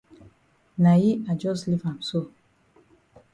Na yi I jus leave am so.